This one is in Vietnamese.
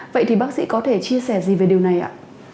vậy thì bác sĩ có thể chia sẻ gì về điều này ạ